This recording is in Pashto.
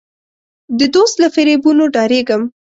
د دوست له فریبونو ډارېږم.